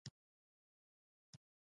هره مرسته باید روښانه وي.